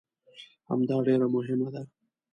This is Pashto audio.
همدا ډېره مهمه ده.